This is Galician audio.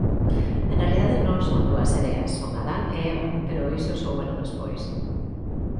En realidade non son dúas sereas: son Adán e Eva, pero iso sóubeno despois.